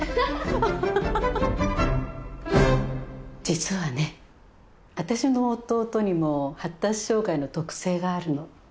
実はねあたしの弟にも発達障害の特性があるの。